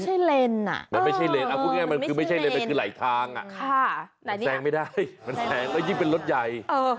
แซงไม่ได้และยิ่งเป็นรถใหญ่